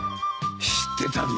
知ってたんだよ。